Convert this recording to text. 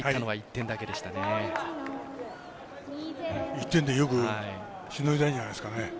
１点でよくしのいだんじゃないですかね。